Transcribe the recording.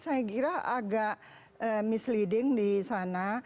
saya kira agak misleading di sana